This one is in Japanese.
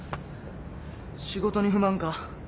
仕事に不満か？